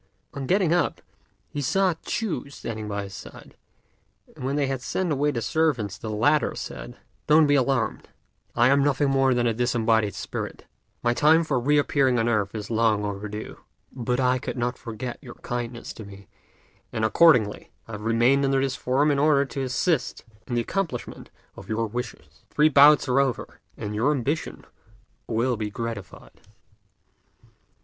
On getting up, he saw Ch'u standing by his side; and when they had sent away the servants the latter said, "Don't be alarmed: I am nothing more than a disembodied spirit. My time for re appearing on earth is long overdue, but I could not forget your great kindness to me, and accordingly I have remained under this form in order to assist in the accomplishment of your wishes. The three bouts are over, and your ambition will be gratified."